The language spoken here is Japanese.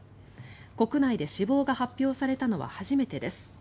国内で死亡が発表されたのは初めてです。